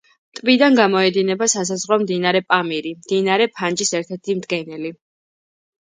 ტბიდან გამოედინება სასაზღვრო მდინარე პამირი, მდინარე ფანჯის ერთ-ერთი მდგენელი.